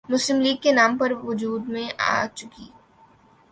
مسلم لیگ کے نام پر وجود میں آ چکی